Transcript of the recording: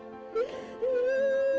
ya sudah ya sudah